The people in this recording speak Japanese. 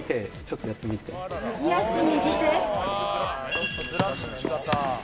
「ちょっとずらす打ち方」